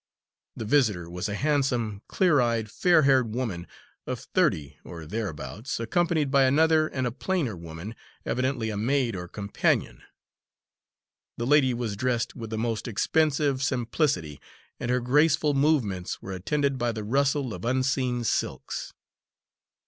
The visitor was a handsome, clear eyed, fair haired woman, of thirty or thereabouts, accompanied by another and a plainer woman, evidently a maid or companion. The lady was dressed with the most expensive simplicity, and her graceful movements were attended by the rustle of unseen silks.